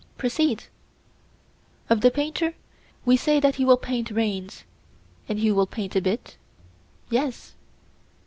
Proceed. Of the painter we say that he will paint reins, and he will paint a bit? Yes.